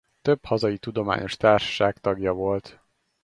Több hazai tudományos társaság tagja volt.